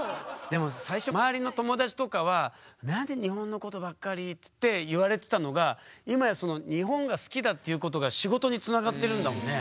でも最初周りの友達とかは「何で日本のことばっかり」っつって言われてたのが今やその日本が好きだっていうことが仕事につながってるんだもんね。